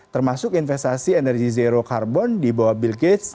termasuk investasi energi zero carbon di bawah bill gates